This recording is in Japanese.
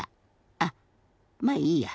あっまあいいや。